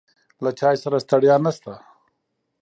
له چای سره ستړیا نشته.